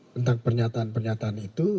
tentang pernyataan pernyataan itu